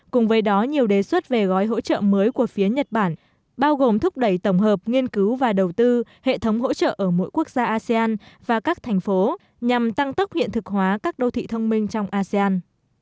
cùng với đó nhiều đề xuất về gói hỗ trợ mới của phía nhật bản bao gồm thúc đẩy tổng hợp nghiên cứu và đầu tư hệ thống hỗ trợ ở mỗi quốc gia asean và các thành phố nhằm tăng tốc hiện thực hóa các đô thị thông minh trong asean